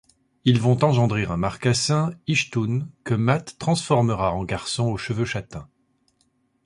Ils vont engendrer un marcassin, Hychtwn, que Math transformera en garçon, aux cheveux châtain.